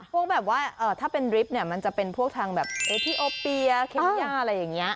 พวกแบบว่าถ้าเป็นริฟทเนี่ยมันจะเป็นพวกทางแบบเอทีโอเปียเคนย่าอะไรอย่างนี้